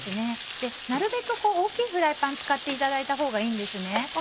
なるべく大きいフライパン使っていただいたほうがいいんですね。